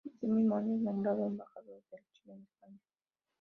Ese mismo año es nombrado embajador de Chile en España.